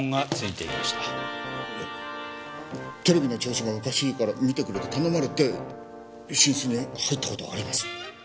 いやテレビの調子がおかしいから見てくれって頼まれて寝室に入った事はあります。